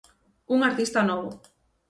Un artista novo.